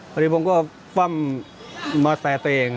พอดีผมก็ป้ำมอเซตตัวเอง